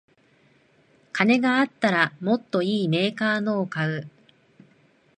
金があったらもっといいメーカーのを買う